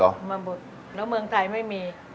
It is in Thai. เอามาบดแล้วเมืองไทยไม่มี